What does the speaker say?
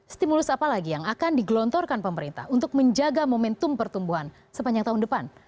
stimulus apa lagi yang akan digelontorkan pemerintah untuk menjaga momentum pertumbuhan sepanjang tahun depan